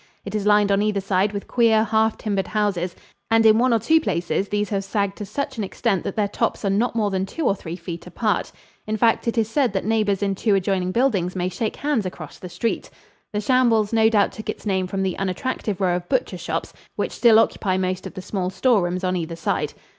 It is lined on either side with queer, half timbered houses, and in one or two places these have sagged to such an extent that their tops are not more than two or three feet apart. In fact it is said that neighbors in two adjoining buildings may shake hands across the street. The Shambles no doubt took its name from the unattractive row of butcher shops which still occupy most of the small store rooms on either side.